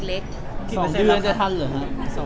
๒เดียวงันจะท่านเหรอฮะ